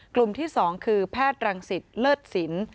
กลุ่มที่๒คือแพทย์รังสิตเลิศสิน